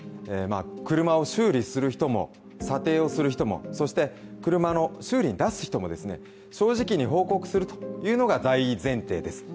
車を修理する人も、査定をする人もそして、車の修理に出す人も正直に報告するというのが大前提です。